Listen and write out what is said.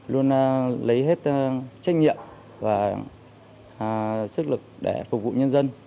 luôn lấy hết trách nhiệm và sức lực để phục vụ nhân dân